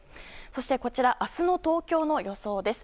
そしてこちらは、明日の東京の予想です。